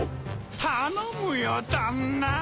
頼むよ旦那ぁ。